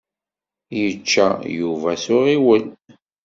Yečča Yuba s uɣiwel.